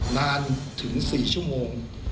นานถึง๔ชั่วโมง